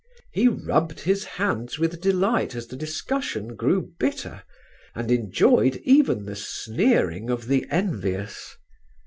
He rubbed his hands with delight as the discussion grew bitter, and enjoyed even the sneering of the envious.